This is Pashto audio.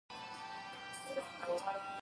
د غذایي مکملونو استعمال د کولمو روغتیا ملاتړ کوي.